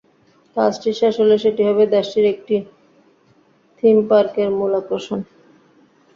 কাজটি শেষ হলে সেটি হবে দেশটির একটি থিম পার্কের মূল আকর্ষণ।